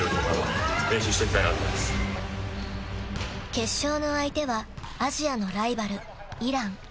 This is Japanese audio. ［決勝の相手はアジアのライバルイラン］